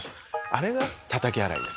あれがたたき洗いです。